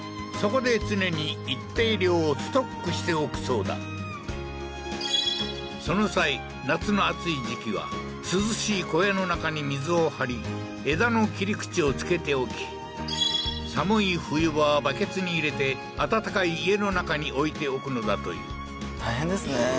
うーんその際夏の暑い時期は涼しい小屋の中に水を張り枝の切り口をつけておき寒い冬場はバケツに入れて暖かい家の中に置いておくのだという大変ですね